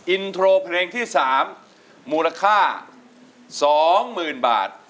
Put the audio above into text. อินโทรเพลงที่๓มูลค่า๒๐๐๐๐บาท